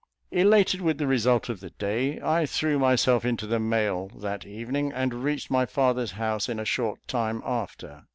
Elated with the result of the day, I threw myself into the mail that evening, and reached my father's house in a short time after.